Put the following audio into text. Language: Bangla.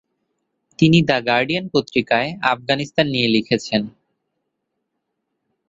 তিনি "দ্য গার্ডিয়ান" পত্রিকায় আফগানিস্তান নিয়ে লিখেছেন।